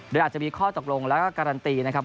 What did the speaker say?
โดยอาจจะมีข้อตกลงแล้วก็การันตีนะครับ